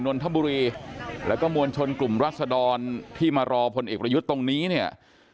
นนทบุรีแล้วก็มวลชนกลุ่มรัศดรที่มารอพลเอกประยุทธ์ตรงนี้เนี่ย